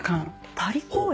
パリ公演？